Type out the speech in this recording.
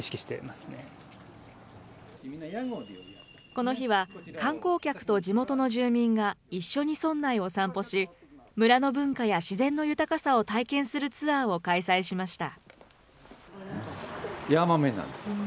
この日は、観光客と地元の住民が一緒に村内を散歩し、村の文化や自然の豊かさを体験するツアーを開催しました。